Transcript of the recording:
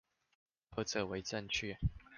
何者為正確？